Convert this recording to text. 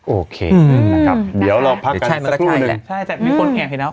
โอเคเดี๋ยวเราพักกันสักครู่หนึ่ง